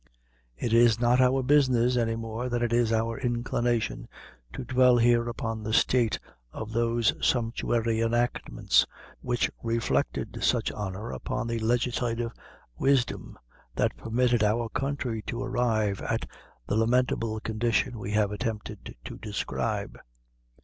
It is not our business, any more than it is our inclination, to dwell here upon the state of those sumptuary enactments, which reflected such honor upon the legislative wisdom, that permitted our country to arrive at the lamentable condition we have attempted to describe.